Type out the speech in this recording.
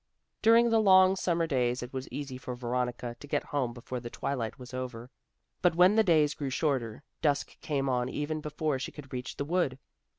During the long summer days it was easy for Veronica to get home before the twilight was over. But when the days grew shorter, dusk came on even before she could reach the wood.